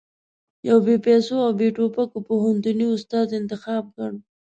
يو بې پيسو او بې ټوپکو پوهنتوني استاد انتخاب کړ.